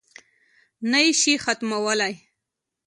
نه یې شي ختمولای.